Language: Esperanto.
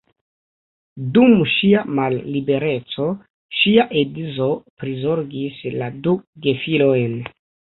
Dum ŝia mallibereco ŝia edzo prizorgis la du gefilojn.